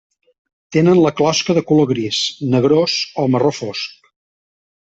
Tenen la closca de color gris, negrós o marró fosc.